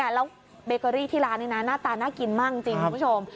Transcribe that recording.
แล้วเบเกอรี่ที่ร้านนี้นะหน้าตาน่ากินมากจริงคุณผู้ชม